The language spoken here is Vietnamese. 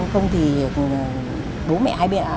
không thì bố mẹ ai biết